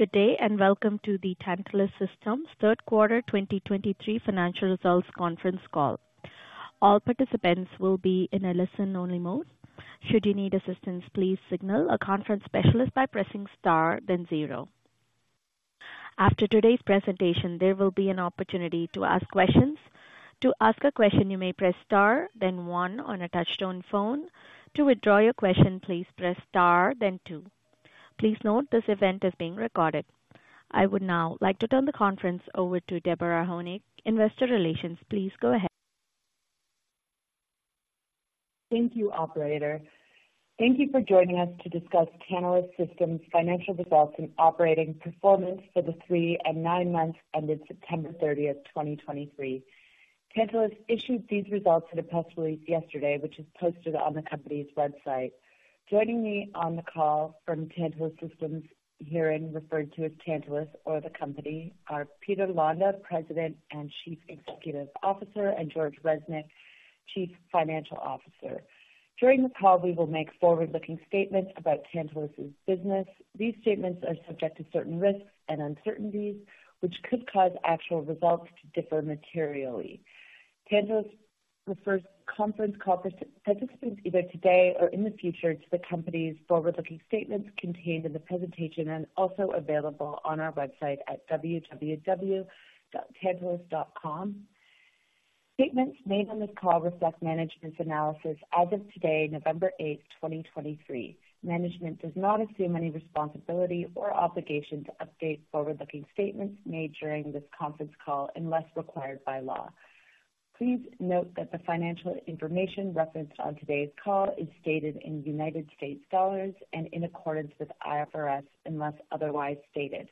Good day, and welcome to the Tantalus Systems third quarter 2023 financial results conference call. All participants will be in a listen-only mode. Should you need assistance, please signal a conference specialist by pressing star, then zero. After today's presentation, there will be an opportunity to ask questions. To ask a question, you may press star, then one on a touchtone phone. To withdraw your question, please press star, then two. Please note, this event is being recorded. I would now like to turn the conference over to Deborah Honig, Investor Relations. Please go ahead. Thank you, operator. Thank you for joining us to discuss Tantalus Systems' financial results and operating performance for the 3 and 9 months ended September 30, 2023. Tantalus issued these results in a press release yesterday, which is posted on the company's website. Joining me on the call from Tantalus Systems, herein referred to as Tantalus or the company, are Peter Londa, President and Chief Executive Officer, and George Reznik, Chief Financial Officer. During the call, we will make forward-looking statements about Tantalus' business. These statements are subject to certain risks and uncertainties, which could cause actual results to differ materially. Tantalus refers conference call participants, either today or in the future, to the company's forward-looking statements contained in the presentation and also available on our website at www.tantalus.com. Statements made on this call reflect management's analysis as of today, November 8, 2023. Management does not assume any responsibility or obligation to update forward-looking statements made during this conference call unless required by law. Please note that the financial information referenced on today's call is stated in United States dollars and in accordance with IFRS, unless otherwise stated.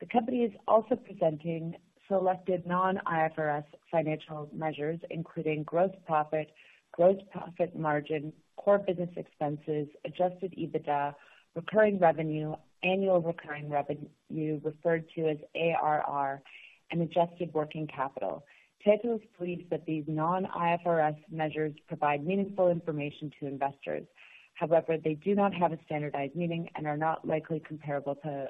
The company is also presenting selected non-IFRS financial measures, including gross profit, gross profit margin, core business expenses, adjusted EBITDA, recurring revenue, annual recurring revenue, referred to as ARR, and adjusted working capital. Tantalus believes that these non-IFRS measures provide meaningful information to investors. However, they do not have a standardized meaning and are not likely comparable to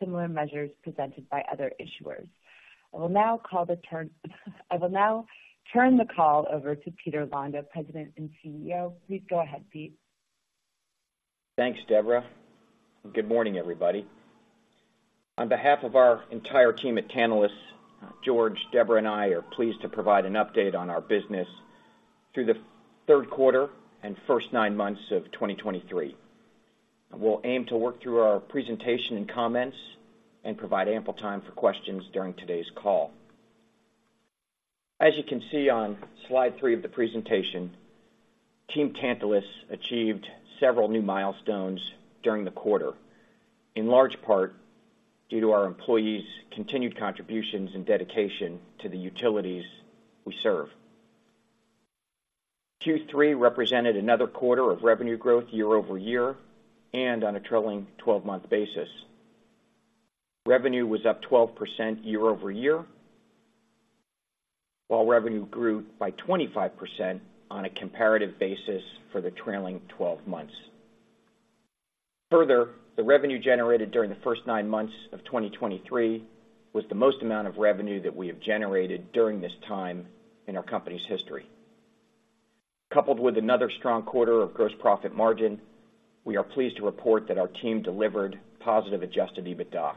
similar measures presented by other issuers. I will now turn the call over to Peter Londa, President and CEO. Please go ahead, Pete. Thanks, Deborah. Good morning, everybody. On behalf of our entire team at Tantalus, George, Deborah, and I are pleased to provide an update on our business through the third quarter and first nine months of 2023. We'll aim to work through our presentation and comments and provide ample time for questions during today's call. As you can see on slide 3 of the presentation, Team Tantalus achieved several new milestones during the quarter, in large part due to our employees' continued contributions and dedication to the utilities we serve. Q3 represented another quarter of revenue growth year over year and on a trailing twelve-month basis. Revenue was up 12% year over year, while revenue grew by 25% on a comparative basis for the trailing twelve months. Further, the revenue generated during the first 9 months of 2023 was the most amount of revenue that we have generated during this time in our company's history. Coupled with another strong quarter of gross profit margin, we are pleased to report that our team delivered positive adjusted EBITDA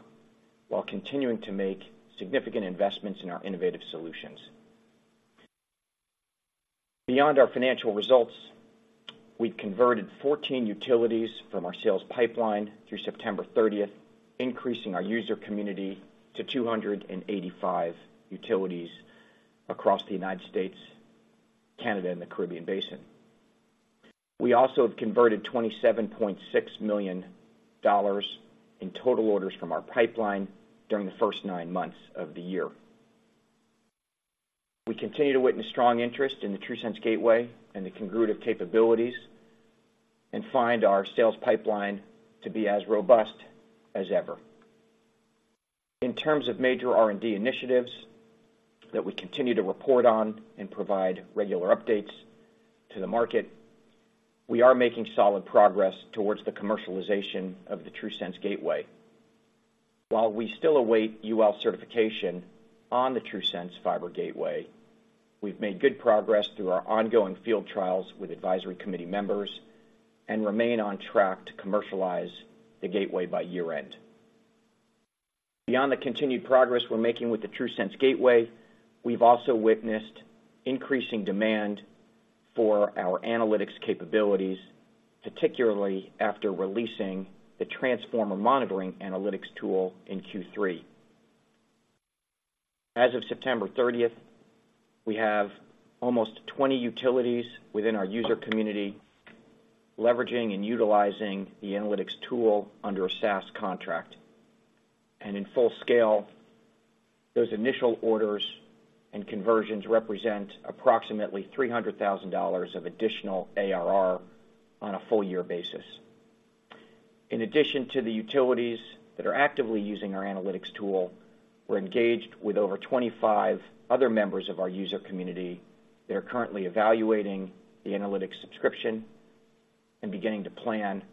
while continuing to make significant investments in our innovative solutions. Beyond our financial results, we've converted 14 utilities from our sales pipeline through September 30, increasing our user community to 285 utilities across the United States, Canada, and the Caribbean Basin. We also have converted $27.6 million in total orders from our pipeline during the first 9 months of the year. We continue to witness strong interest in the TRUSense Gateway and the Congruitive capabilities and find our sales pipeline to be as robust as ever. In terms of major R&D initiatives that we continue to report on and provide regular updates to the market, we are making solid progress towards the commercialization of the TRUSense Gateway. While we still await UL certification on the TRUSense Fiber Gateway, we've made good progress through our ongoing field trials with advisory committee members and remain on track to commercialize the gateway by year-end. Beyond the continued progress we're making with the TRUSense Gateway, we've also witnessed increasing demand for our analytics capabilities, particularly after releasing the transformer monitoring analytics tool in Q3. As of September 30, we have almost 20 utilities within our user community, leveraging and utilizing the analytics tool under a SaaS contract. And in full scale, those initial orders and conversions represent approximately $300,000 of additional ARR on a full year basis. In addition to the utilities that are actively using our analytics tool, we're engaged with over 25 other members of our user community that are currently evaluating the analytics subscription, and beginning to plan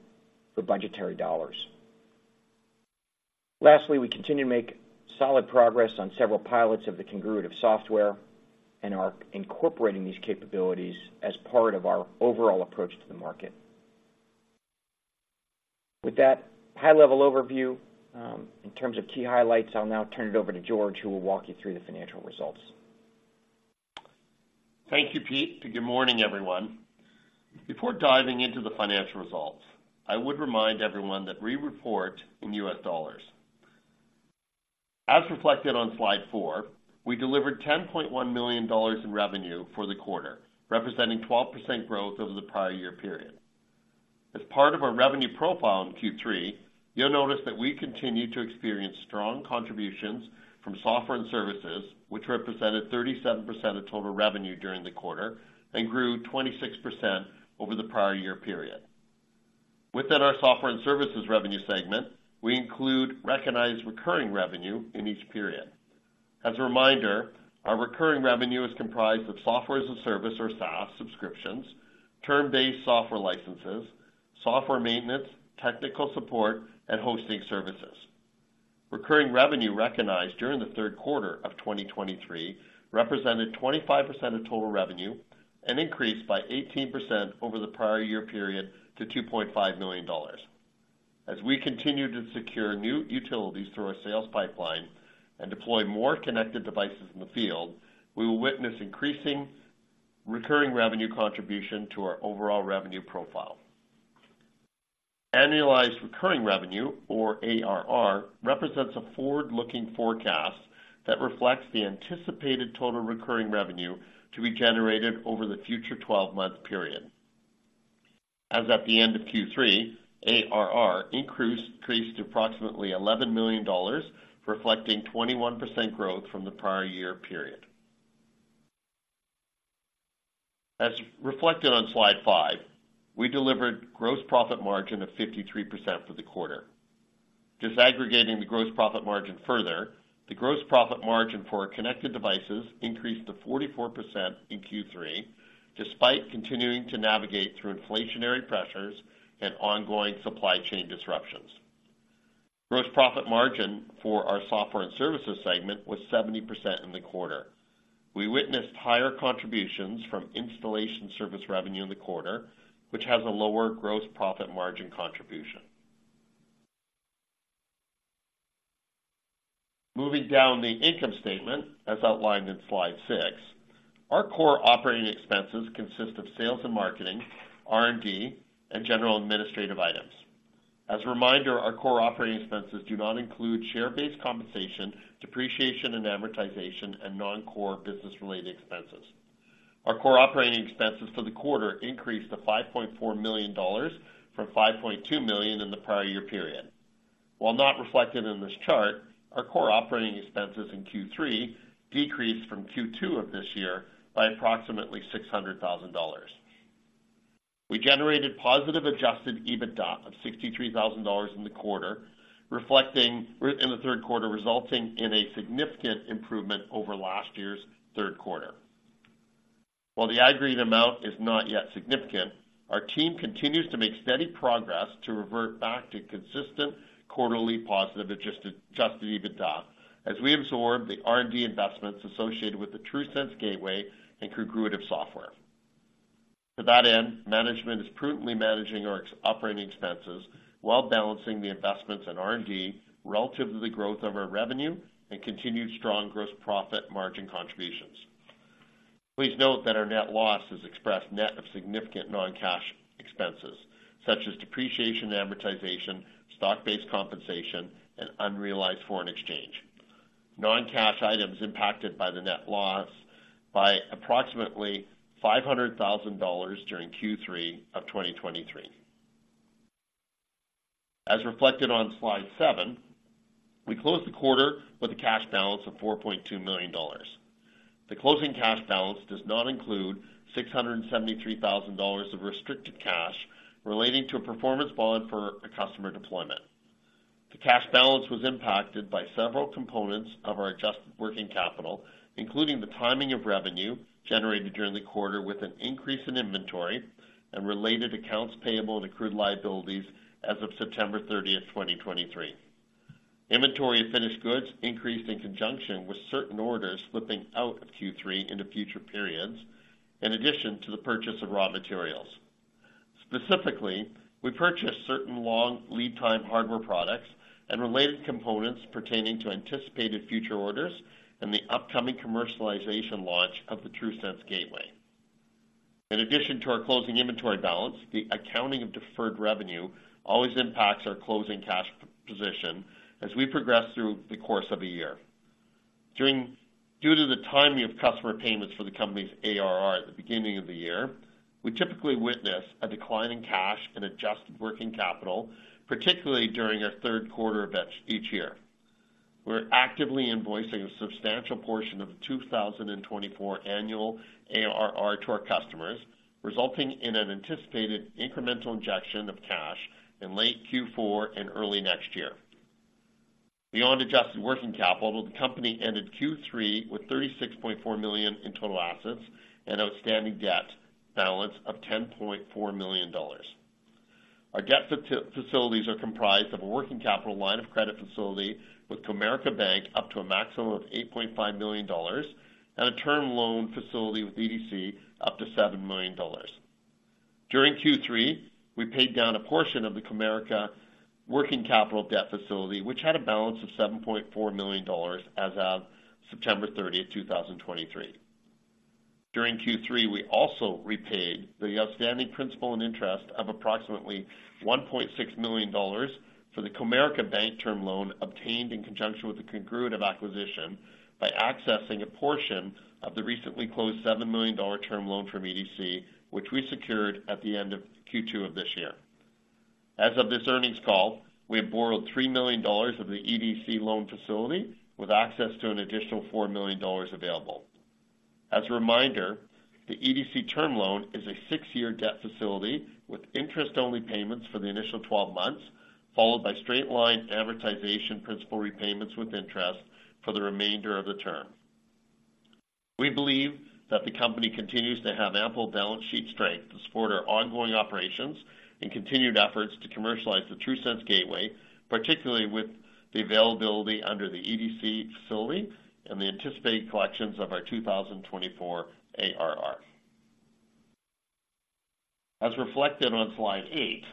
for budgetary dollars. Lastly, we continue to make solid progress on several pilots of the Congruitive software and are incorporating these capabilities as part of our overall approach to the market. With that high-level overview, in terms of key highlights, I'll now turn it over to George, who will walk you through the financial results. Thank you, Pete. Good morning, everyone. Before diving into the financial results, I would remind everyone that we report in US dollars. As reflected on Slide 4, we delivered $10.1 million in revenue for the quarter, representing 12% growth over the prior year period. As part of our revenue profile in Q3, you'll notice that we continue to experience strong contributions from software and services, which represented 37% of total revenue during the quarter and grew 26% over the prior year period. Within our software and services revenue segment, we include recognized recurring revenue in each period. As a reminder, our recurring revenue is comprised of software as a service or SaaS subscriptions, term-based software licenses, software maintenance, technical support, and hosting services. Recurring revenue recognized during the third quarter of 2023 represented 25% of total revenue and increased by 18% over the prior year period to $2.5 million. As we continue to secure new utilities through our sales pipeline and deploy more connected devices in the field, we will witness increasing recurring revenue contribution to our overall revenue profile. Annualized recurring revenue, or ARR, represents a forward-looking forecast that reflects the anticipated total recurring revenue to be generated over the future twelve-month period. As at the end of Q3, ARR increased to approximately $11 million, reflecting 21% growth from the prior year period. As reflected on Slide 5, we delivered gross profit margin of 53% for the quarter. Disaggregating the gross profit margin further, the gross profit margin for our connected devices increased to 44% in Q3, despite continuing to navigate through inflationary pressures and ongoing supply chain disruptions. Gross profit margin for our software and services segment was 70% in the quarter. We witnessed higher contributions from installation service revenue in the quarter, which has a lower gross profit margin contribution. Moving down the income statement, as outlined in Slide 6, our core operating expenses consist of sales and marketing, R&D, and general administrative items. As a reminder, our core operating expenses do not include share-based compensation, depreciation and amortization, and non-core business-related expenses. Our core operating expenses for the quarter increased to $5.4 million from $5.2 million in the prior year period. While not reflected in this chart, our core operating expenses in Q3 decreased from Q2 of this year by approximately $600,000. We generated positive adjusted EBITDA of $63,000 in the quarter, reflecting in the third quarter, resulting in a significant improvement over last year's third quarter. While the aggregate amount is not yet significant, our team continues to make steady progress to revert back to consistent quarterly positive adjusted, adjusted EBITDA as we absorb the R&D investments associated with the TRUSense Gateway and Congruitive software. To that end, management is prudently managing our operating expenses while balancing the investments in R&D relative to the growth of our revenue and continued strong gross profit margin contributions. Please note that our net loss is expressed net of significant non-cash expenses such as depreciation and amortization, stock-based compensation, and unrealized foreign exchange. Non-cash items impacted by the net loss by approximately $500,000 during Q3 of 2023. As reflected on Slide 7, we closed the quarter with a cash balance of $4.2 million. The closing cash balance does not include $673,000 of restricted cash relating to a performance bond for a customer deployment. The cash balance was impacted by several components of our adjusted working capital, including the timing of revenue generated during the quarter, with an increase in inventory and related accounts payable and accrued liabilities as of September 30, 2023. Inventory of finished goods increased in conjunction with certain orders slipping out of Q3 into future periods, in addition to the purchase of raw materials. Specifically, we purchased certain long lead time hardware products and related components pertaining to anticipated future orders and the upcoming commercialization launch of the TRUSense Gateway. In addition to our closing inventory balance, the accounting of deferred revenue always impacts our closing cash position as we progress through the course of a year. Due to the timing of customer payments for the company's ARR at the beginning of the year, we typically witness a decline in cash and adjusted working capital, particularly during our third quarter of each year. We're actively invoicing a substantial portion of the 2024 annual ARR to our customers, resulting in an anticipated incremental injection of cash in late Q4 and early next year... Beyond adjusted working capital, the company ended Q3 with $36.4 million in total assets and outstanding debt balance of $10.4 million. Our debt facilities are comprised of a working capital line of credit facility with Comerica Bank, up to a maximum of $8.5 million, and a term loan facility with EDC up to $7 million. During Q3, we paid down a portion of the Comerica working capital debt facility, which had a balance of $7.4 million as of September 30, 2023. During Q3, we also repaid the outstanding principal and interest of approximately $1.6 million for the Comerica Bank term loan, obtained in conjunction with the Congruitive acquisition, by accessing a portion of the recently closed $7 million term loan from EDC, which we secured at the end of Q2 of this year. As of this earnings call, we have borrowed $3 million of the EDC loan facility, with access to an additional $4 million available. As a reminder, the EDC term loan is a 6-year debt facility with interest-only payments for the initial 12 months, followed by straight-line amortization principal repayments with interest for the remainder of the term. We believe that the company continues to have ample balance sheet strength to support our ongoing operations and continued efforts to commercialize the TRUSense Gateway, particularly with the availability under the EDC facility and the anticipated collections of our 2024 ARR. As reflected on Slide 8,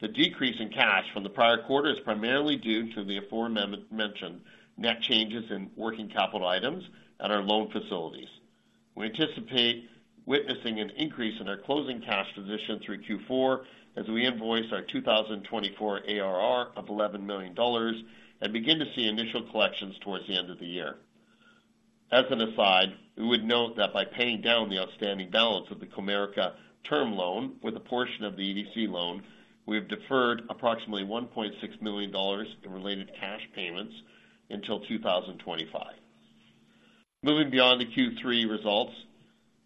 the decrease in cash from the prior quarter is primarily due to the aforementioned net changes in working capital items and our loan facilities. We anticipate witnessing an increase in our closing cash position through Q4 as we invoice our 2024 ARR of $11 million and begin to see initial collections towards the end of the year. As an aside, we would note that by paying down the outstanding balance of the Comerica term loan with a portion of the EDC loan, we have deferred approximately $1.6 million in related cash payments until 2025. Moving beyond the Q3 results,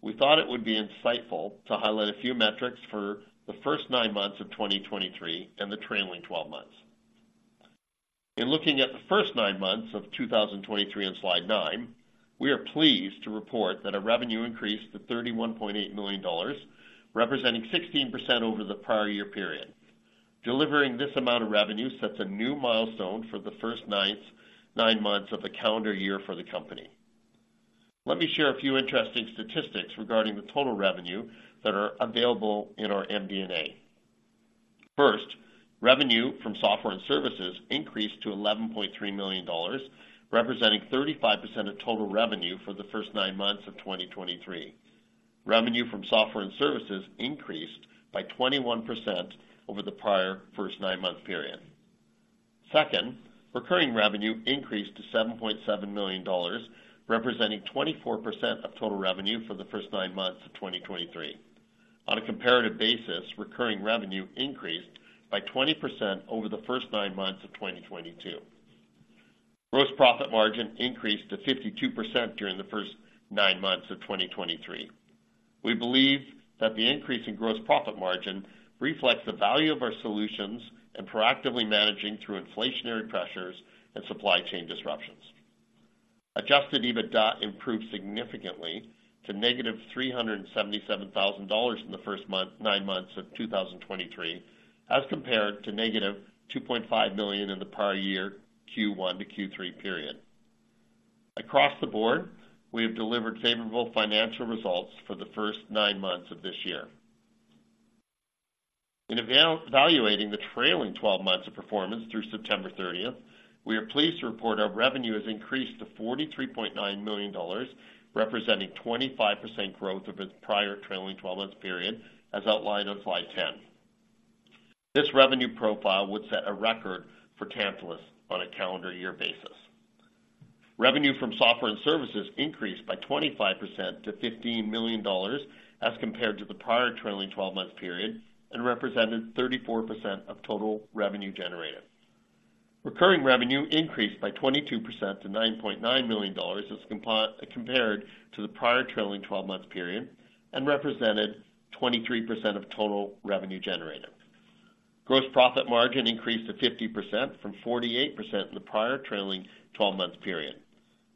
we thought it would be insightful to highlight a few metrics for the first nine months of 2023 and the trailing twelve months. In looking at the first nine months of 2023 on Slide 9, we are pleased to report that our revenue increased to $31.8 million, representing 16% over the prior year period. Delivering this amount of revenue sets a new milestone for the first nine months of the calendar year for the company. Let me share a few interesting statistics regarding the total revenue that are available in our MD&A. First, revenue from software and services increased to $11.3 million, representing 35% of total revenue for the first nine months of 2023. Revenue from software and services increased by 21% over the prior first nine-month period. Second, recurring revenue increased to $7.7 million, representing 24% of total revenue for the first nine months of 2023. On a comparative basis, recurring revenue increased by 20% over the first nine months of 2022. Gross profit margin increased to 52% during the first nine months of 2023. We believe that the increase in gross profit margin reflects the value of our solutions and proactively managing through inflationary pressures and supply chain disruptions. Adjusted EBITDA improved significantly to negative $377,000 in the first nine months of 2023, as compared to negative $2.5 million in the prior year Q1 to Q3 period. Across the board, we have delivered favorable financial results for the first nine months of this year. In evaluating the trailing twelve months of performance through September thirtieth, we are pleased to report our revenue has increased to $43.9 million, representing 25% growth of the prior trailing twelve-month period, as outlined on Slide 10. This revenue profile would set a record for Tantalus on a calendar year basis. Revenue from software and services increased by 25% to $15 million as compared to the prior trailing twelve-month period and represented 34% of total revenue generated. Recurring revenue increased by 22% to $9.9 million, as compared to the prior trailing twelve-month period, and represented 23% of total revenue generated. Gross profit margin increased to 50% from 48% in the prior trailing twelve-month period.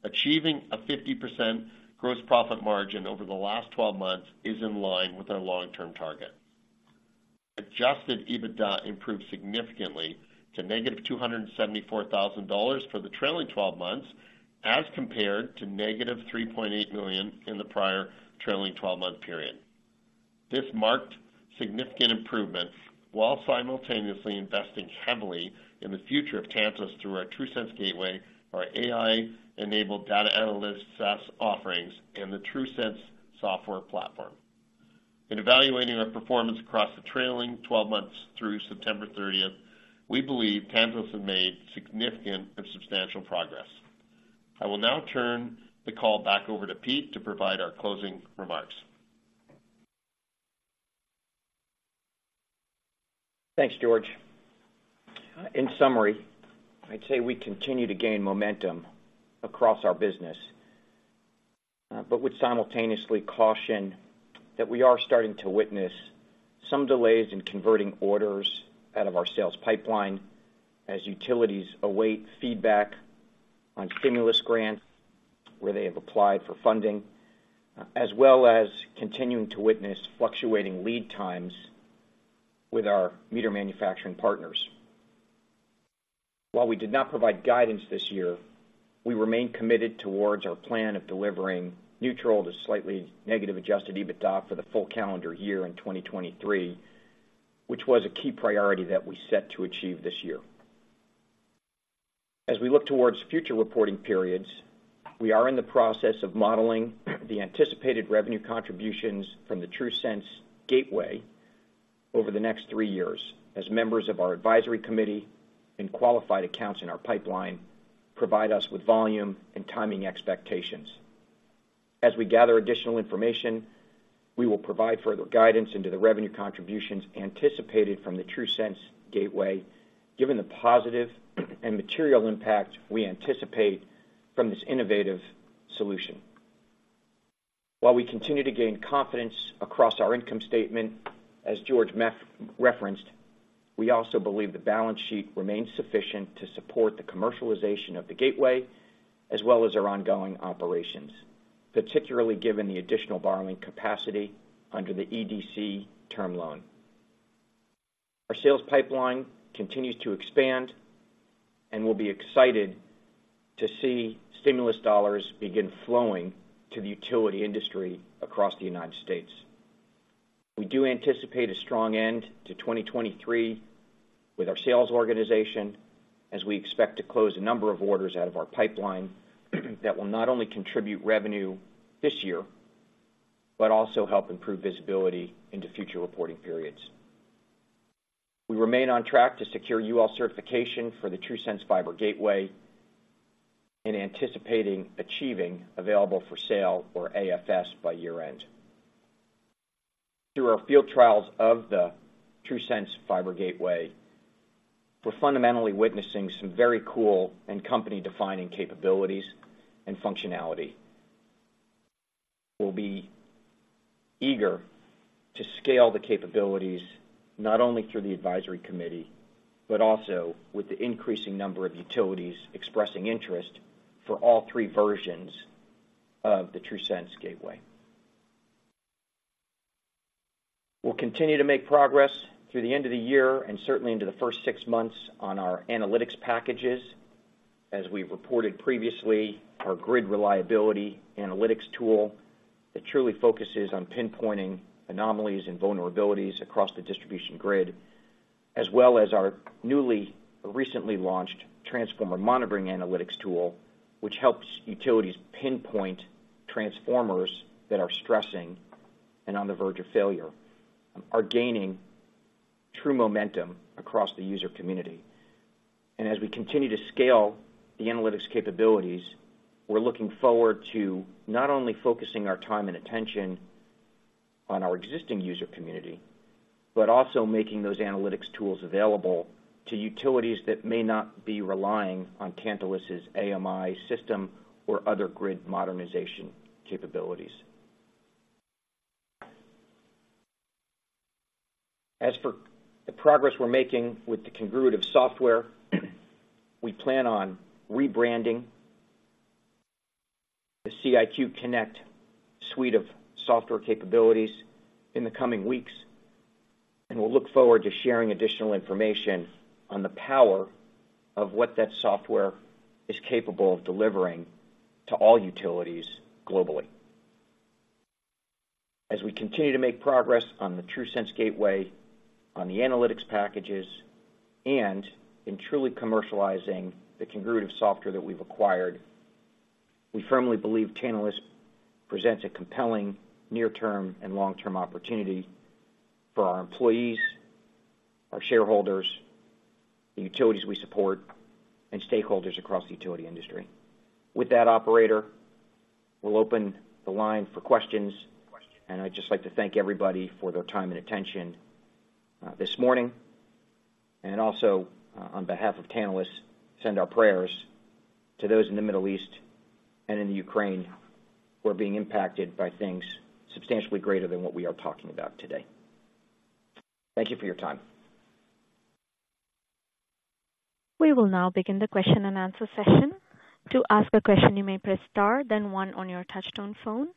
Achieving a 50% gross profit margin over the last twelve months is in line with our long-term target. Adjusted EBITDA improved significantly to -$274,000 for the trailing twelve months, as compared to -$3.8 million in the prior trailing twelve-month period. This marked significant improvements, while simultaneously investing heavily in the future of Tantalus through our TRUSense Gateway, our AI-enabled data analyst SaaS offerings, and the TRUSense software platform. In evaluating our performance across the trailing twelve months through September thirtieth, we believe Tantalus have made significant and substantial progress. I will now turn the call back over to Pete to provide our closing remarks. Thanks, George. In summary, I'd say we continue to gain momentum across our business. But would simultaneously caution that we are starting to witness some delays in converting orders out of our sales pipeline as utilities await feedback on stimulus grants, where they have applied for funding, as well as continuing to witness fluctuating lead times with our meter manufacturing partners. While we did not provide guidance this year, we remain committed towards our plan of delivering neutral to slightly negative adjusted EBITDA for the full calendar year in 2023, which was a key priority that we set to achieve this year. As we look towards future reporting periods, we are in the process of modeling the anticipated revenue contributions from the TRUSense Gateway over the next three years, as members of our advisory committee and qualified accounts in our pipeline provide us with volume and timing expectations. As we gather additional information, we will provide further guidance into the revenue contributions anticipated from the TRUSense Gateway, given the positive and material impact we anticipate from this innovative solution. While we continue to gain confidence across our income statement, as George referenced, we also believe the balance sheet remains sufficient to support the commercialization of the gateway, as well as our ongoing operations, particularly given the additional borrowing capacity under the EDC term loan. Our sales pipeline continues to expand, and we'll be excited to see stimulus dollars begin flowing to the utility industry across the United States. We do anticipate a strong end to 2023 with our sales organization, as we expect to close a number of orders out of our pipeline, that will not only contribute revenue this year, but also help improve visibility into future reporting periods. We remain on track to secure UL certification for the TRUSense Fiber Gateway and anticipating achieving available for sale, or AFS, by year-end. Through our field trials of the TRUSense Fiber Gateway, we're fundamentally witnessing some very cool and company-defining capabilities and functionality. We'll be eager to scale the capabilities, not only through the advisory committee, but also with the increasing number of utilities expressing interest for all three versions of the TRUSense Gateway. We'll continue to make progress through the end of the year and certainly into the first six months on our analytics packages. As we've reported previously, our grid reliability analytics tool that truly focuses on pinpointing anomalies and vulnerabilities across the distribution grid, as well as our newly, recently launched transformer monitoring analytics tool, which helps utilities pinpoint transformers that are stressing and on the verge of failure, are gaining true momentum across the user community. As we continue to scale the analytics capabilities, we're looking forward to not only focusing our time and attention on our existing user community, but also making those analytics tools available to utilities that may not be relying on Tantalus' AMI system or other grid modernization capabilities. As for the progress we're making with the Congruitive software, we plan on rebranding the CIQ Connect suite of software capabilities in the coming weeks, and we'll look forward to sharing additional information on the power of what that software is capable of delivering to all utilities globally. As we continue to make progress on the TRUSense Gateway, on the analytics packages, and in truly commercializing the Congruitive software that we've acquired, we firmly believe Tantalus presents a compelling near-term and long-term opportunity for our employees, our shareholders, the utilities we support, and stakeholders across the utility industry. With that, operator, we'll open the line for questions. I'd just like to thank everybody for their time and attention this morning, and also, on behalf of Tantalus, send our prayers to those in the Middle East and in the Ukraine who are being impacted by things substantially greater than what we are talking about today. Thank you for your time. We will now begin the question-and-answer session. To ask a question, you may press star, then one on your touch-tone phone.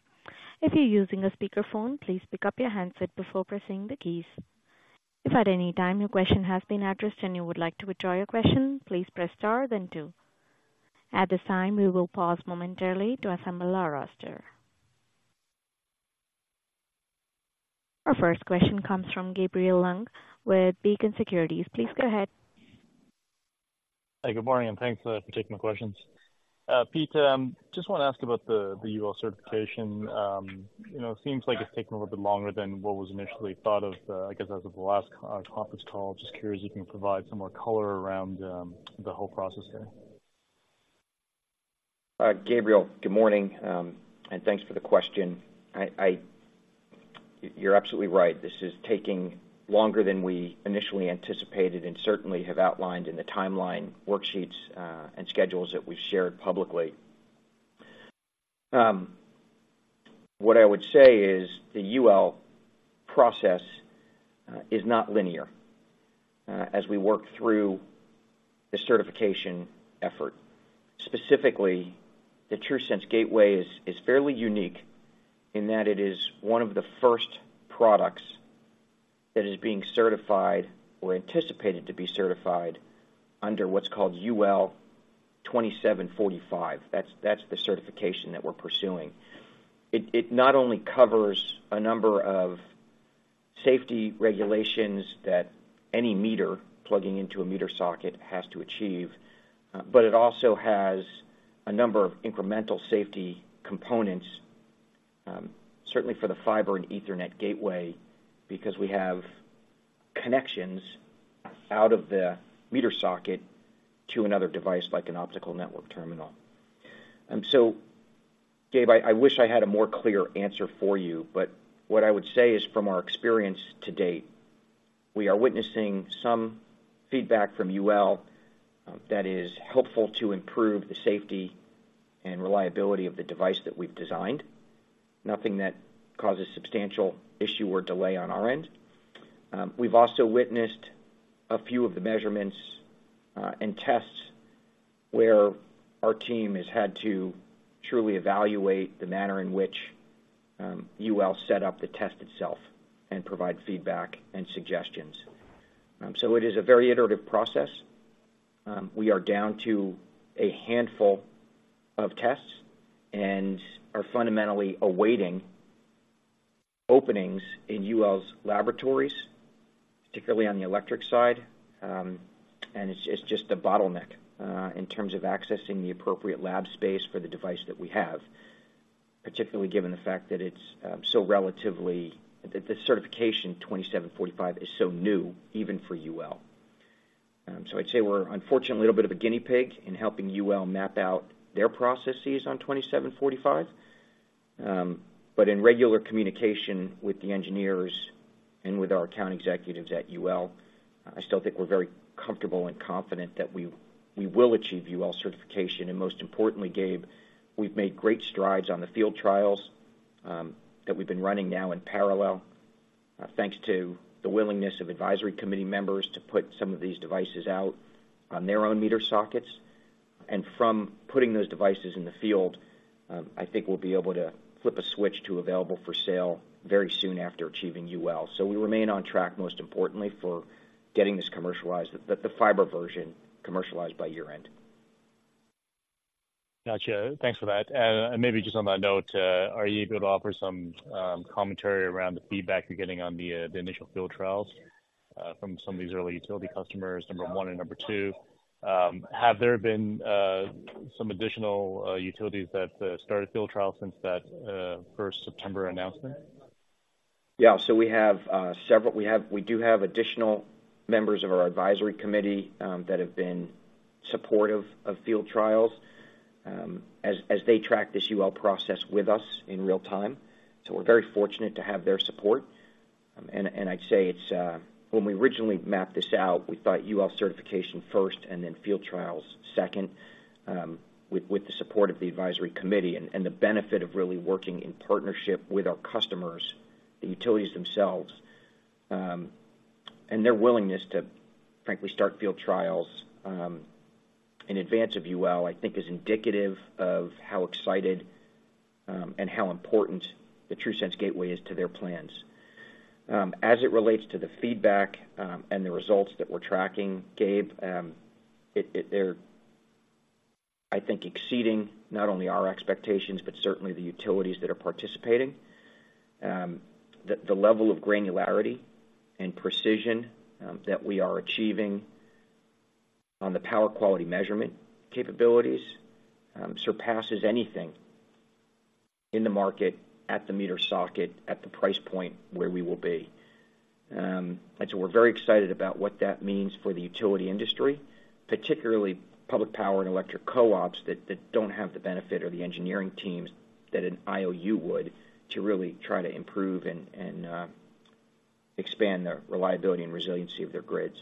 If you're using a speakerphone, please pick up your handset before pressing the keys. If at any time your question has been addressed and you would like to withdraw your question, please press star then two. At this time, we will pause momentarily to assemble our roster. Our first question comes from Gabriel Leung with Beacon Securities. Please go ahead. Hi, good morning, and thanks for taking my questions. Pete, just want to ask about the UL certification. You know, it seems like it's taking a little bit longer than what was initially thought of, I guess, as of the last conference call. Just curious if you can provide some more color around the whole process there. Gabriel, good morning, and thanks for the question. You're absolutely right. This is taking longer than we initially anticipated and certainly have outlined in the timeline worksheets, and schedules that we've shared publicly. What I would say is, the UL process is not linear as we work through the certification effort. Specifically, the TRUSense Gateway is fairly unique in that it is one of the first products that is being certified or anticipated to be certified under what's called UL 2745. That's the certification that we're pursuing. It not only covers a number of safety regulations that any meter plugging into a meter socket has to achieve, but it also has a number of incremental safety components, certainly for the fiber and Ethernet gateway, because we have connections out of the meter socket to another device, like an optical network terminal. So, Gabe, I wish I had a more clear answer for you, but what I would say is, from our experience to date, we are witnessing some feedback from UL that is helpful to improve the safety and reliability of the device that we've designed, nothing that causes substantial issue or delay on our end. We've also witnessed a few of the measurements, and tests where our team has had to truly evaluate the manner in which, UL set up the test itself and provide feedback and suggestions. So it is a very iterative process. We are down to a handful of tests and are fundamentally awaiting openings in UL's laboratories, particularly on the electric side. And it's, it's just a bottleneck, in terms of accessing the appropriate lab space for the device that we have, particularly given the fact that it's, so relatively... That the certification 2745 is so new, even for UL. So I'd say we're unfortunately, a little bit of a guinea pig in helping UL map out their processes on 2745. But in regular communication with the engineers and with our account executives at UL, I still think we're very comfortable and confident that we will achieve UL certification. Most importantly, Gabe, we've made great strides on the field trials that we've been running now in parallel, thanks to the willingness of advisory committee members to put some of these devices out on their own meter sockets. From putting those devices in the field, I think we'll be able to flip a switch to available for sale very soon after achieving UL. We remain on track, most importantly, for getting this commercialized, the fiber version, commercialized by year-end. Gotcha. Thanks for that. And maybe just on that note, are you able to offer some commentary around the feedback you're getting on the initial field trials from some of these early utility customers, number one and number two? Have there been some additional utilities that started field trials since that first September announcement? Yeah. So we have additional members of our advisory committee that have been supportive of field trials as they track this UL process with us in real time. So we're very fortunate to have their support. I'd say it's... When we originally mapped this out, we thought UL certification first, and then field trials second with the support of the advisory committee. The benefit of really working in partnership with our customers, the utilities themselves, and their willingness to, frankly, start field trials in advance of UL, I think is indicative of how excited and how important the TRUSense Gateway is to their plans. As it relates to the feedback and the results that we're tracking, Gabe, they're, I think, exceeding not only our expectations, but certainly the utilities that are participating. The level of granularity and precision that we are achieving on the power quality measurement capabilities surpasses anything in the market, at the meter socket, at the price point where we will be. And so we're very excited about what that means for the utility industry, particularly public power and electric co-ops, that don't have the benefit or the engineering teams that an IOU would, to really try to improve and expand the reliability and resiliency of their grids.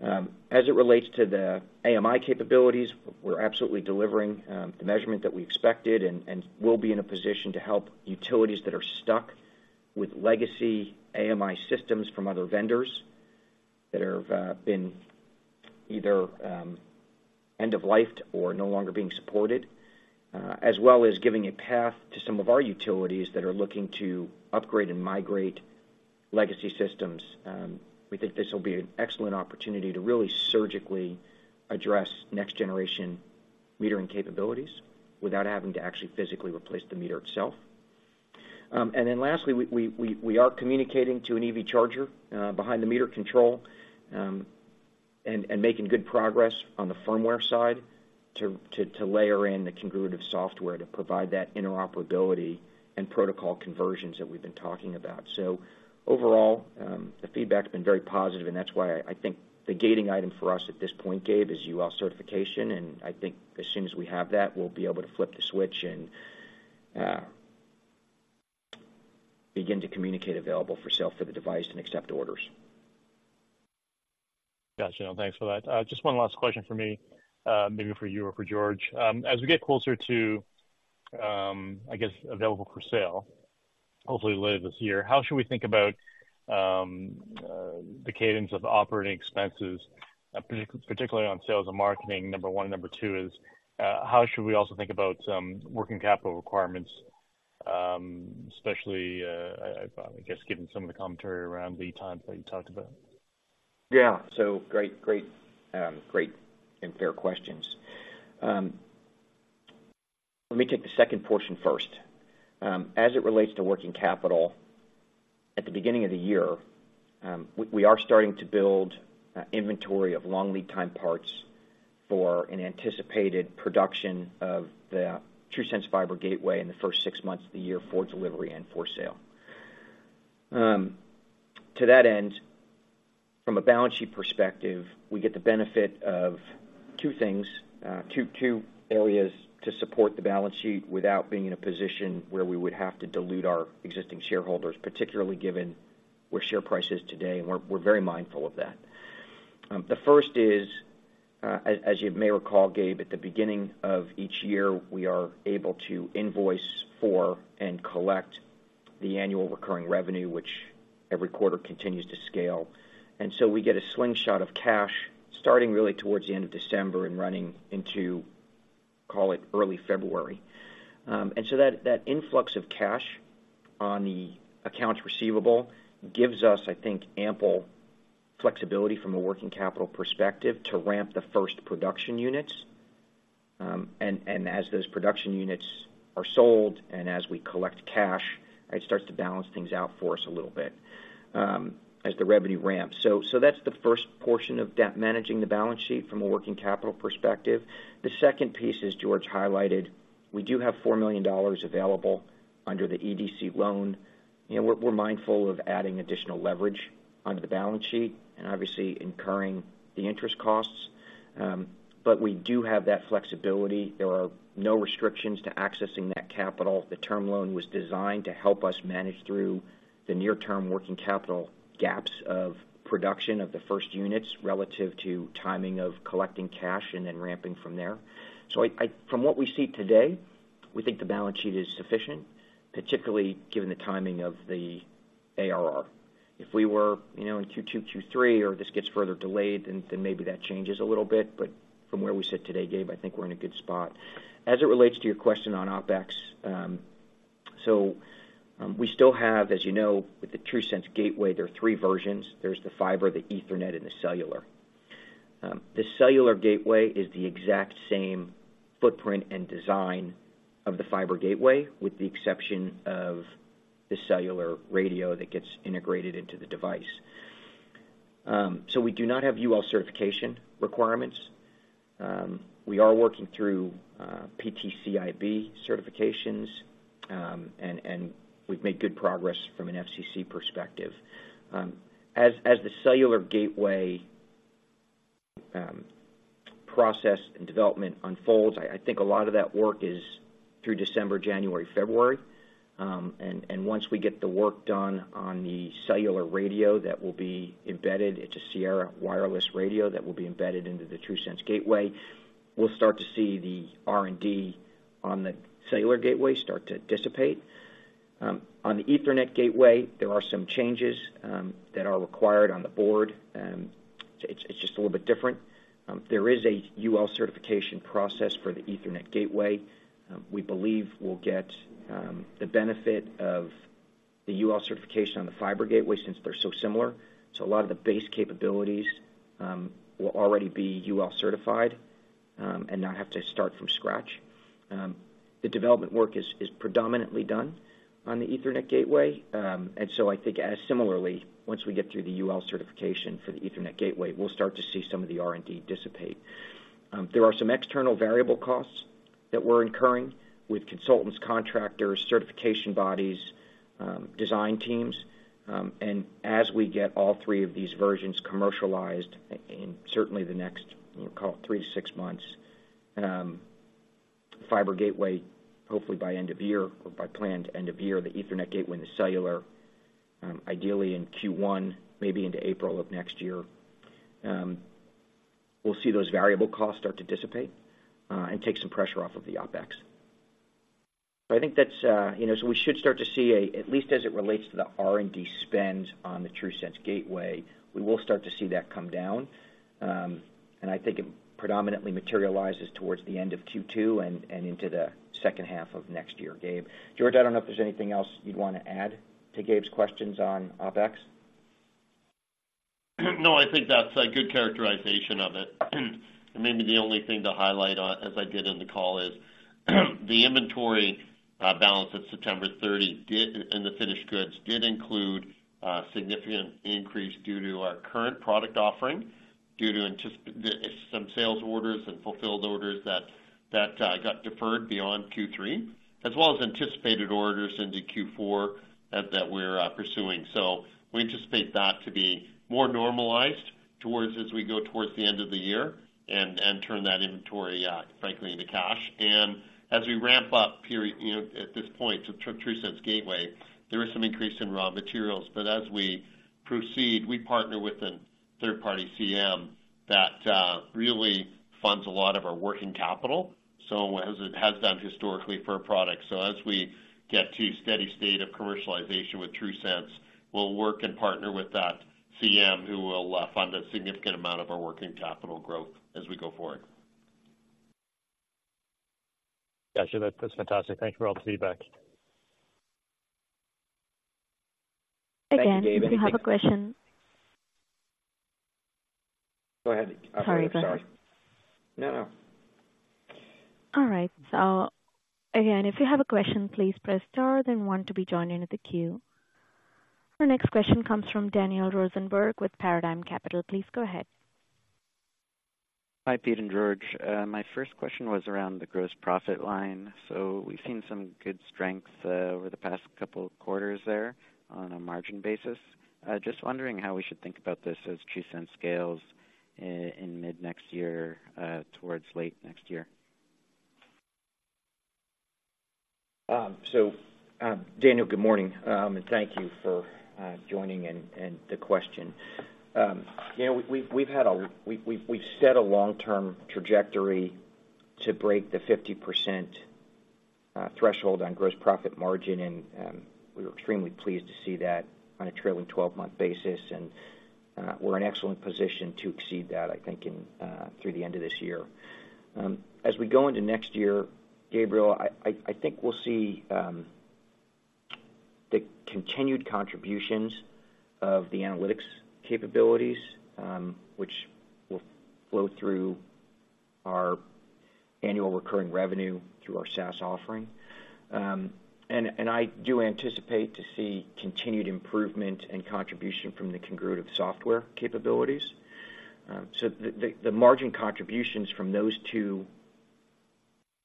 As it relates to the AMI capabilities, we're absolutely delivering the measurement that we expected, and we'll be in a position to help utilities that are stuck with legacy AMI systems from other vendors that have been either end of life or no longer being supported, as well as giving a path to some of our utilities that are looking to upgrade and migrate legacy systems. We think this will be an excellent opportunity to really surgically address next-generation metering capabilities without having to actually physically replace the meter itself. And then lastly, we are communicating to an EV charger behind the meter control, and making good progress on the firmware side to layer in the Congruitive software to provide that interoperability and protocol conversions that we've been talking about. Overall, the feedback's been very positive, and that's why I think the gating item for us at this point, Gabe, is UL certification. I think as soon as we have that, we'll be able to flip the switch and begin to communicate available for sale for the device and accept orders.... Gotcha. No, thanks for that. Just one last question for me, maybe for you or for George. As we get closer to, I guess, available for sale, hopefully later this year, how should we think about the cadence of operating expenses, particularly on sales and marketing, number one. Number two is, how should we also think about some working capital requirements, especially, I guess, given some of the commentary around the times that you talked about? Yeah. So great, great, great and fair questions. Let me take the second portion first. As it relates to working capital, at the beginning of the year, we are starting to build inventory of long lead time parts for an anticipated production of the TRUSense Fiber Gateway in the first six months of the year for delivery and for sale. To that end, from a balance sheet perspective, we get the benefit of two things, two areas to support the balance sheet without being in a position where we would have to dilute our existing shareholders, particularly given where share price is today, and we're very mindful of that. The first is, as you may recall, Gabe, at the beginning of each year, we are able to invoice for and collect the annual recurring revenue, which every quarter continues to scale. And so we get a slingshot of cash starting really towards the end of December and running into, call it, early February. And so that influx of cash on the accounts receivable gives us, I think, ample flexibility from a working capital perspective to ramp the first production units. And as those production units are sold and as we collect cash, it starts to balance things out for us a little bit, as the revenue ramps. So that's the first portion of that managing the balance sheet from a working capital perspective. The second piece, as George highlighted, we do have $4 million available under the EDC loan. You know, we're mindful of adding additional leverage onto the balance sheet and obviously incurring the interest costs. But we do have that flexibility. There are no restrictions to accessing that capital. The term loan was designed to help us manage through the near-term working capital gaps of production of the first units, relative to timing of collecting cash and then ramping from there. So from what we see today, we think the balance sheet is sufficient, particularly given the timing of the ARR. If we were, you know, in Q2, Q3, or this gets further delayed, then maybe that changes a little bit. But from where we sit today, Gabe, I think we're in a good spot. As it relates to your question on OpEx, we still have, as you know, with the TRUSense Gateway, there are three versions. There's the fiber, the Ethernet, and the cellular. The cellular gateway is the exact same footprint and design of the fiber gateway, with the exception of the cellular radio that gets integrated into the device. So we do not have UL certification requirements. We are working through PTCRB certifications, and we've made good progress from an FCC perspective. As the cellular gateway process and development unfolds, I think a lot of that work is through December, January, February. And once we get the work done on the cellular radio that will be embedded, it's a Sierra Wireless radio that will be embedded into the TRUSense Gateway, we'll start to see the R&D on the cellular gateway start to dissipate. On the Ethernet gateway, there are some changes that are required on the board. It's just a little bit different. There is a UL certification process for the Ethernet Gateway. We believe we'll get the benefit of the UL certification on the Fiber Gateway since they're so similar. So a lot of the base capabilities will already be UL certified and not have to start from scratch. The development work is predominantly done on the Ethernet Gateway. And so I think as similarly, once we get through the UL certification for the Ethernet Gateway, we'll start to see some of the R&D dissipate. There are some external variable costs that we're incurring with consultants, contractors, certification bodies, design teams. And as we get all three of these versions commercialized in certainly the next, we'll call it 3-6 months, fiber gateway, hopefully by end of year or by planned end of year, the Ethernet gateway and the cellular, ideally in Q1, maybe into April of next year, we'll see those variable costs start to dissipate, and take some pressure off of the OpEx. So I think that's, you know... So we should start to see a, at least as it relates to the R&D spend on the TRUSense Gateway, we will start to see that come down. And I think it predominantly materializes towards the end of Q2 and into the second half of next year, Gabe. George, I don't know if there's anything else you'd want to add to Gabe's questions on OpEx. No, I think that's a good characterization of it. And maybe the only thing to highlight on, as I did in the call, is, the inventory balance at September 30 in the finished goods did include a significant increase due to our current product offering, due to the anticipated some sales orders and fulfilled orders that got deferred beyond Q3, as well as anticipated orders into Q4 that we're pursuing. So we anticipate that to be more normalized towards as we go towards the end of the year and turn that inventory, frankly, into cash. And as we ramp up period, you know, at this point, to TRUSense Gateway, there is some increase in raw materials, but as we-... Proceed, we partner with a third-party CM that really funds a lot of our working capital, so as it has done historically per product. So as we get to steady state of commercialization with TRUSense, we'll work and partner with that CM, who will fund a significant amount of our working capital growth as we go forward. Gotcha. That, that's fantastic. Thank you for all the feedback. Again, if you have a question- Thank you, David. Go ahead. Sorry, go ahead. No, no. All right. So again, if you have a question, please press star, then one to be joined into the queue. Our next question comes from Daniel Rosenberg with Paradigm Capital. Please go ahead. Hi, Pete and George. My first question was around the gross profit line. So we've seen some good strength over the past couple of quarters there on a margin basis. Just wondering how we should think about this as TRUSense scales in mid-next year towards late next year. So, Daniel, good morning, and thank you for joining and the question. You know, we've set a long-term trajectory to break the 50% threshold on gross profit margin, and we were extremely pleased to see that on a trailing twelve-month basis. We're in excellent position to exceed that, I think, through the end of this year. As we go into next year, Gabriel, I think we'll see the continued contributions of the analytics capabilities, which will flow through our annual recurring revenue through our SaaS offering. And I do anticipate to see continued improvement and contribution from the Congruence software capabilities. So the margin contributions from those two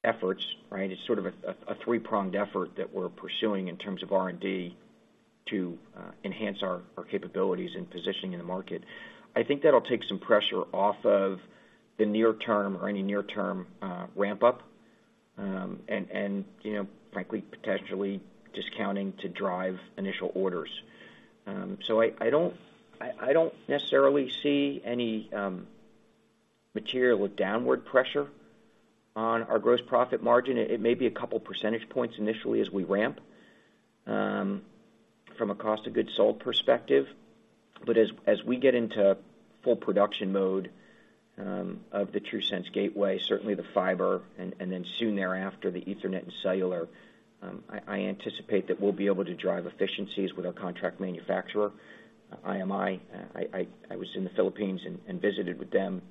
efforts, right, is sort of a three-pronged effort that we're pursuing in terms of R&D to enhance our capabilities and positioning in the market. I think that'll take some pressure off of the near term or any near-term ramp up, and you know, frankly, potentially discounting to drive initial orders. So I don't necessarily see any material with downward pressure on our gross profit margin. It may be a couple percentage points initially as we ramp from a cost of goods sold perspective. But as we get into full production mode of the TRUSense Gateway, certainly the fiber, and then soon thereafter, the Ethernet and cellular, I anticipate that we'll be able to drive efficiencies with our contract manufacturer, IMI. I was in the Philippines and visited with them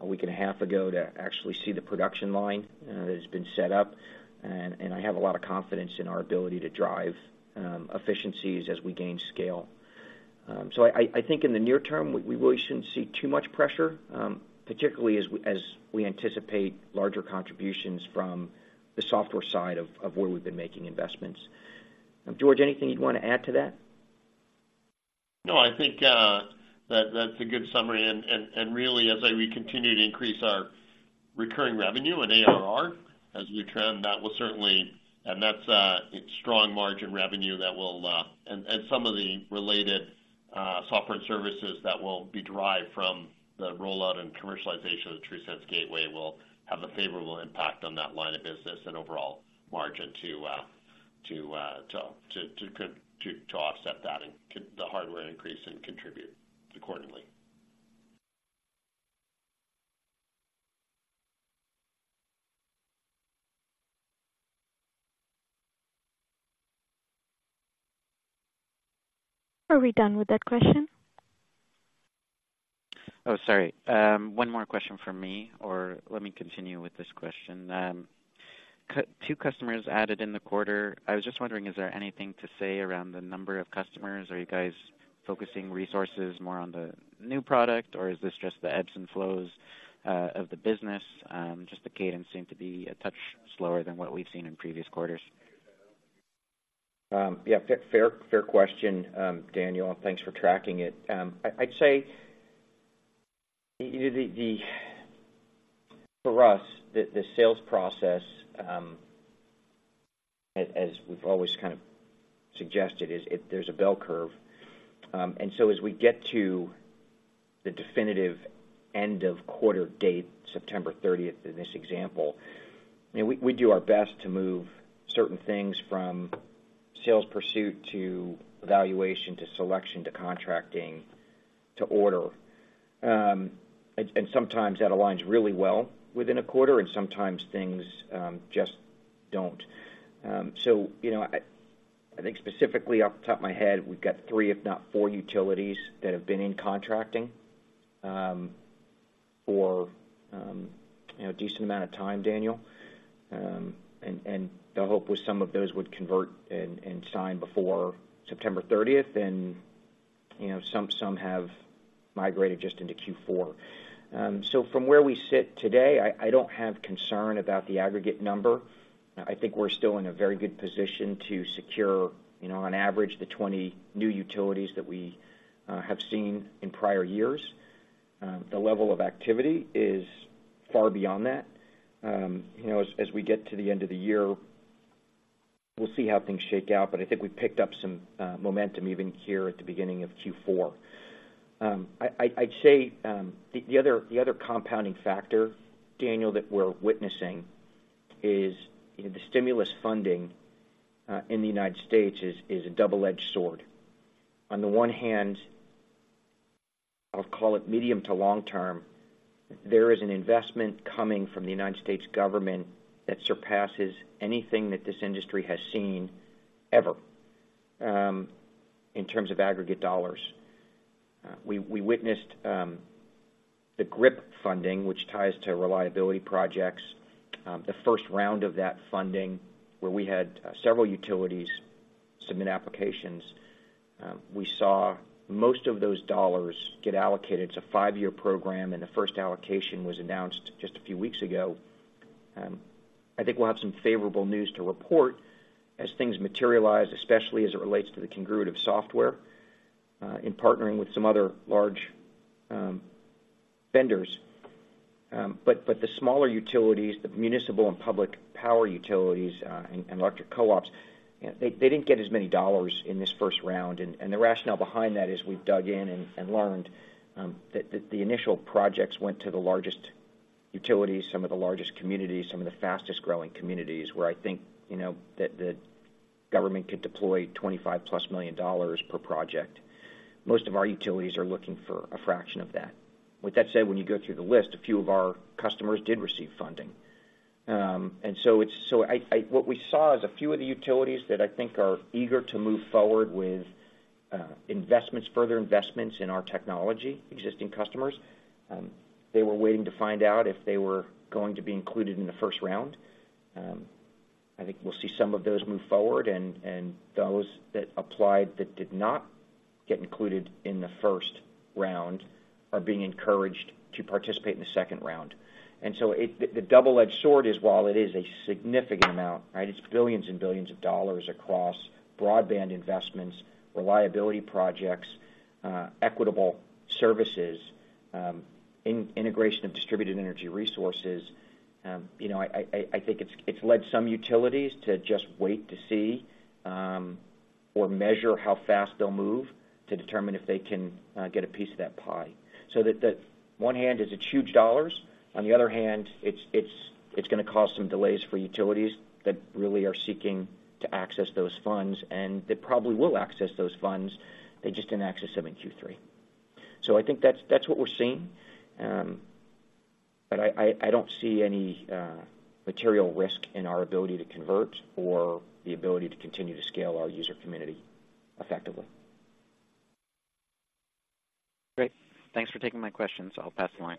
a week and a half ago to actually see the production line that has been set up, and I have a lot of confidence in our ability to drive efficiencies as we gain scale. So I think in the near term, we really shouldn't see too much pressure, particularly as we anticipate larger contributions from the software side of where we've been making investments. George, anything you'd want to add to that? No, I think that that's a good summary. And really, as we continue to increase our recurring revenue and ARR as we trend, that will certainly... And that's it's strong margin revenue that will, and some of the related software and services that will be derived from the rollout and commercialization of the TRUSense Gateway will have a favorable impact on that line of business and overall margin to offset that and to the hardware increase and contribute accordingly. Are we done with that question? Oh, sorry. One more question from me, or let me continue with this question. Two customers added in the quarter. I was just wondering, is there anything to say around the number of customers? Are you guys focusing resources more on the new product, or is this just the ebbs and flows of the business? Just the cadence seemed to be a touch slower than what we've seen in previous quarters. Yeah, fair, fair question, Daniel. Thanks for tracking it. I'd say, for us, the sales process, as we've always kind of suggested, is, it's there's a bell curve. And so as we get to the definitive end of quarter date, September thirtieth, in this example, you know, we do our best to move certain things from sales pursuit to evaluation, to selection, to contracting, to order. And sometimes that aligns really well within a quarter, and sometimes things just don't. So, you know, I think specifically, off the top of my head, we've got three, if not four, utilities that have been in contracting for you know, a decent amount of time, Daniel. And the hope was some of those would convert and sign before September thirtieth, and, you know, some have migrated just into Q4. So from where we sit today, I don't have concern about the aggregate number. I think we're still in a very good position to secure, you know, on average, the 20 new utilities that we have seen in prior years. The level of activity is far beyond that. You know, as we get to the end of the year, we'll see how things shake out, but I think we picked up some momentum even here at the beginning of Q4. I'd say the other compounding factor, Daniel, that we're witnessing is, you know, the stimulus funding in the United States is a double-edged sword. On the one hand, I'll call it medium to long term, there is an investment coming from the United States government that surpasses anything that this industry has seen ever in terms of aggregate dollars. We witnessed the GRIP funding, which ties to reliability projects. The first round of that funding, where we had several utilities submit applications, we saw most of those dollars get allocated. It's a five-year program, and the first allocation was announced just a few weeks ago. I think we'll have some favorable news to report as things materialize, especially as it relates to the Congruitive software in partnering with some other large vendors. But the smaller utilities, the municipal and public power utilities, and electric co-ops, they didn't get as many dollars in this first round. The rationale behind that is we've dug in and learned that the initial projects went to the largest utilities, some of the largest communities, some of the fastest-growing communities, where I think, you know, that the government could deploy $25+ million per project. Most of our utilities are looking for a fraction of that. With that said, when you go through the list, a few of our customers did receive funding. What we saw is a few of the utilities that I think are eager to move forward with investments, further investments in our technology, existing customers, they were waiting to find out if they were going to be included in the first round. I think we'll see some of those move forward, and those that applied that did not get included in the first round are being encouraged to participate in the second round. And so it, the double-edged sword is, while it is a significant amount, right, it's billions and billions of dollars across broadband investments, reliability projects, equitable services, integration of distributed energy resources. You know, I think it's led some utilities to just wait to see, or measure how fast they'll move to determine if they can get a piece of that pie. So the one hand is it's huge dollars, on the other hand, it's gonna cause some delays for utilities that really are seeking to access those funds, and they probably will access those funds. They just didn't access them in Q3. So I think that's what we're seeing. But I don't see any material risk in our ability to convert or the ability to continue to scale our user community effectively. Great. Thanks for taking my questions. I'll pass the line.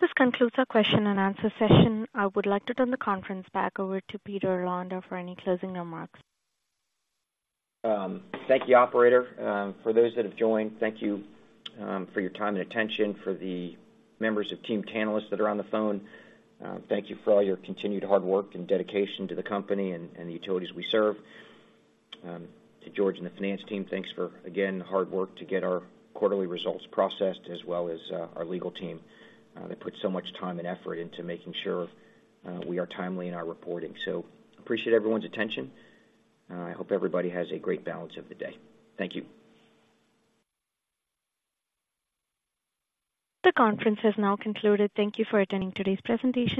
This concludes our question and answer session. I would like to turn the conference back over to Peter Londa for any closing remarks. Thank you, operator. For those that have joined, thank you for your time and attention. For the members of team Tantalus that are on the phone, thank you for all your continued hard work and dedication to the company and, and the utilities we serve. To George and the finance team, thanks for, again, the hard work to get our quarterly results processed, as well as our legal team that put so much time and effort into making sure we are timely in our reporting. Appreciate everyone's attention, and I hope everybody has a great balance of the day. Thank you. The conference has now concluded. Thank you for attending today's presentation.